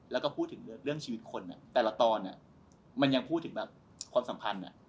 แล้วก็พูดถึงเรื่องชีวิตคนแต่ละตอนมันยังพูดถึงแบบความสัมพันธ์